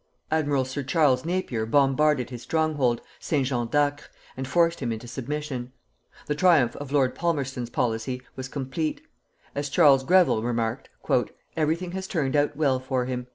Admiral Sir Charles Napier bombarded his stronghold, St. Jean d'Acre, and forced him into submission. The triumph of Lord Palmerston's policy was complete; as Charles Greville remarked: "Everything has turned out well for him.